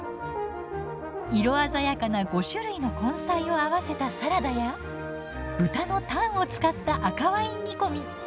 色鮮やかな５種類の根菜をあわせたサラダや豚のタンを使った赤ワイン煮込み。